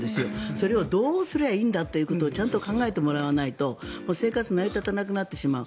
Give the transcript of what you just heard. それをどうすりゃいいんだということをちゃんと考えてもらわないと生活成り立たなくなってしまう。